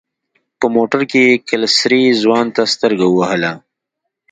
په موټر کې يې کلسري ځوان ته سترګه ووهله.